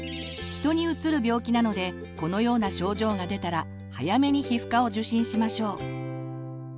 人にうつる病気なのでこのような症状が出たら早めに皮膚科を受診しましょう。